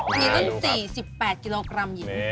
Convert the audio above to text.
อันนี้รุ่น๔๘กิโลกรัมเงิน